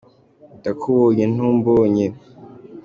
Ndakubonye ntumbonye.